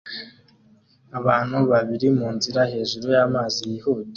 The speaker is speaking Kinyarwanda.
Abantu babiri munzira hejuru y'amazi yihuta